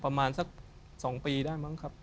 ประมาณสัก๒ปีได้มั้งครับ